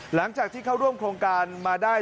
หลังจากที่เข้าร่วมโครงการมาได้